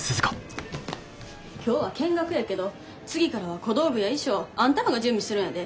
今日は見学やけど次からは小道具や衣装あんたらが準備するんやで。